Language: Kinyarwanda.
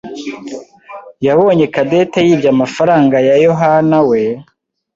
yabonye Cadette yibye amafaranga ya Yohanawe.